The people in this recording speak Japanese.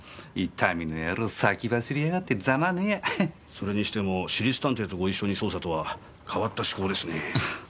それにしても私立探偵とご一緒に捜査とは変わった趣向ですね。